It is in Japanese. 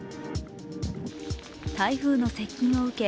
台風の接近を受け